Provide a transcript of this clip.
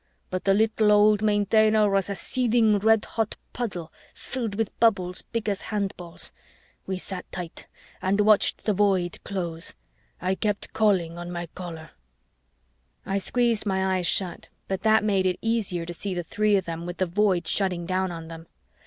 But the little old Maintainer was a seething red hot puddle filled with bubbles big as handballs. We sat tight and watched the Void close. I kept calling on my Caller." I squeezed my eyes shut, but that made it easier to see the three of them with the Void shutting down on them.